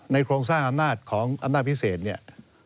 โครงสร้างอำนาจของอำนาจพิเศษเนี่ย